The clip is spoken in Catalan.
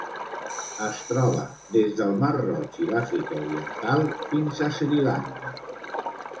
Es troba des del mar Roig i l'Àfrica Oriental fins a Sri Lanka.